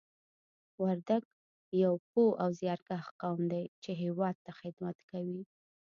وردګ یو پوه او زیارکښ قوم دی چې هېواد ته خدمت کوي